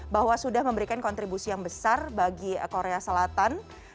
bahwa sudah memberikan kontribusi yang besar bagi korea selatan